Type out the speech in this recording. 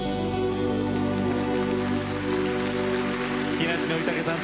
木梨憲武さん